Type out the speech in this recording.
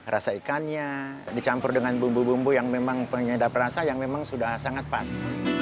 rasa ikannya dicampur dengan bumbu bumbu yang memang penyedap rasa yang memang sudah sangat pas